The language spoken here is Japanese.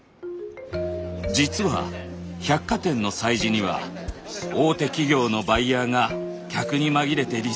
実は百貨店の催事には大手企業のバイヤーが客に紛れてリサーチに訪れます。